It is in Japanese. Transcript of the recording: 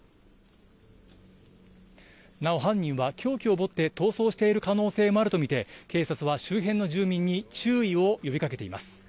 なお、犯人は凶器を持って逃走している可能性もあると見て、警察は周辺の住民に注意を呼びかけています。